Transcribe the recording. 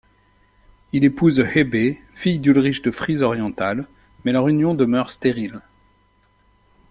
Il épouse Hebe file d'Ulrich de Frise orientale mais leur union demeure stérile.